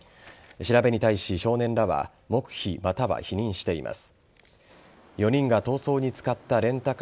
調べに対し、少年らは黙秘、または否認しています。